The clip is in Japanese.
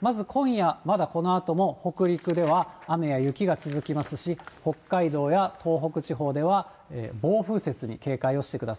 まず今夜、まだこのあとも北陸では雨や雪が続きますし、北海道や東北地方では暴風雪に警戒をしてください。